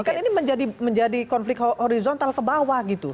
kan ini menjadi konflik horizontal ke bawah gitu